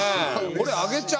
これあげちゃう。